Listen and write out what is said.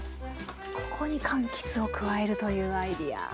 ここにかんきつを加えるというアイデア。